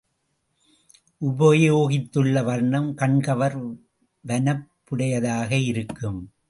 உபயோகித்துள்ள வர்ணம் கண்கவர் வனப்புடையதாக இருக்கும்.